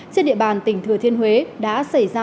trên địa bàn tỉnh thừa thiên huế đã xảy ra